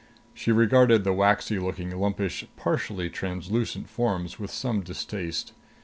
She regarded the waxy looking, lumpish, partially translucent forms with some distaste.